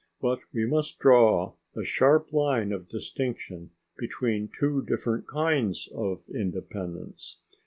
But we must draw a sharp line of distinction between two different kinds of independence.